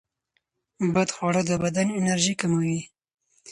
بدخواړه د بدن انرژي کموي.